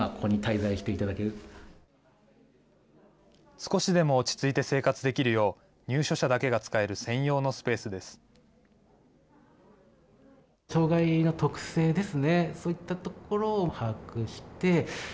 少しでも落ち着いて生活できるよう、入所者だけが使える専用のスペースです。